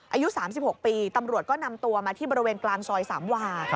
อายุ๓๖ปีตำรวจก็นำตัวมาที่บริเวณกลางซอยสามวา